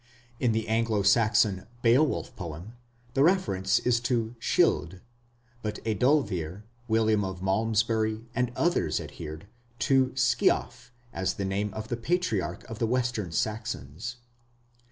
In the Anglo Saxon Beowulf poem, the reference is to "Scyld", but Ethelweard, William of Malmesbury, and others adhered to "Sceaf" as the name of the Patriarch of the Western Saxons.